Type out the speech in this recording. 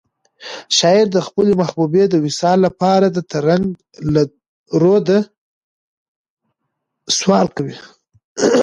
شاعر د خپلې محبوبې د وصال لپاره د ترنګ له روده سوال کوي.